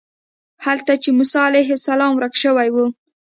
هلته چې موسی علیه السلام ورک شوی و.